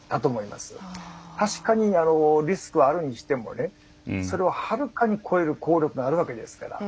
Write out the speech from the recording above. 確かにリスクはあるにしてもそれをはるかに超える効力があるわけですから。